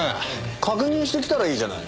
確認してきたらいいじゃない。